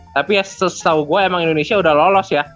tapi ya sesuatu gua emang indonesia udah lolos ya